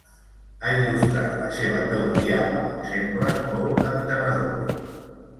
Ha il·lustrat la seva teoria amb exemples molt entenedors.